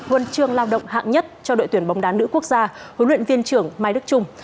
huân chương lao động hạng nhất cho đội tuyển bóng đá nữ quốc gia huấn luyện viên trưởng mai đức trung